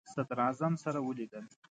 صدراعظم سره ولیدل.